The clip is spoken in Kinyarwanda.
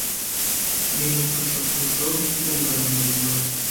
bimufasha kurushaho gutunganya imirimo ye